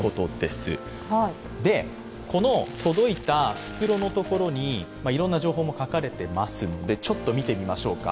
この届いた袋のところにいろんな情報も書かれていますのでちょっと見てみましょうか。